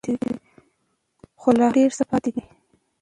خو لا هم ډېر څه پاتې دي.